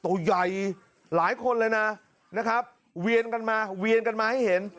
ตัวใหญ่หลายคนเลยนะนะครับเวียนกันมาเวียนกันมาให้เห็น